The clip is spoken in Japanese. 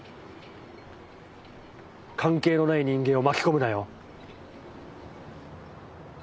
関係のない人間を巻き込むなよ。